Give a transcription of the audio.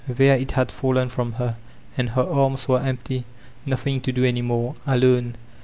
There it had fallen from her, and her arms were en^ty. Nothing to do any more. Alone.